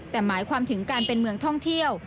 แต่หมายความถึงการเป็นเมืองท่องเที่ยว